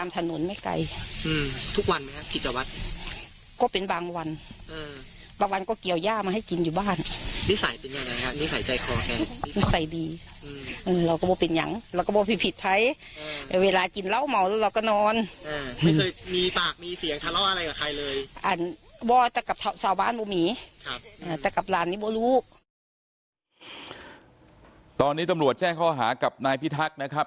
ตอนนี้ตำรวจแจ้งข้อหากับนายพิทักษ์นะครับ